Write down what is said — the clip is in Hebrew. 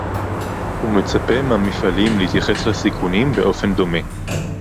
ומצפה מהמפעלים להתייחס לסיכונים באופן דומה